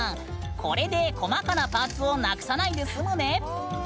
これで細かなパーツをなくさないで済むね。